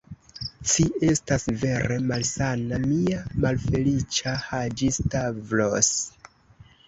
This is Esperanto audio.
Ci estas vere malsana, mia malfeliĉa Haĝi-Stavros.